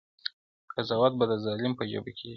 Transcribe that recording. قضاوت به د ظالم په ژبه کیږي -